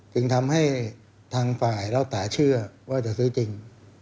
จึงทำให้ทางฝ่ายเล่าตาเชื่อว่าจะซื้อจริง